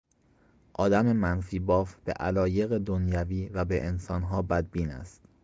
آدم منفیباف به علایق دنیوی و به انسانها بدبین است.